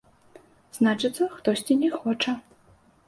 Значыцца, хтосьці не хоча.